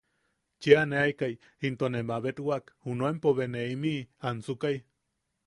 Cheaneakai intone mabetwak junuenpo be ne imiʼi ansukai.